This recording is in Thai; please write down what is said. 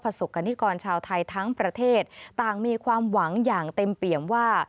สกรณิกรชาวไทยทั้งประเทศต่างมีความหวังอย่างเต็มเปี่ยมว่า